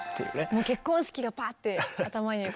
もう結婚式がパッて頭に浮かびますね。